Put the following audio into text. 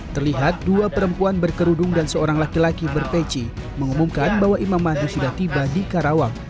terlihat dua perempuan berkerudung dan seorang laki laki berpeci mengumumkan bahwa imam madu sudah tiba di karawang